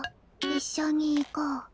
一緒に行こう。